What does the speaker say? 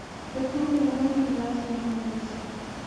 که څوک مې وژني لاس يې هم نه نيسم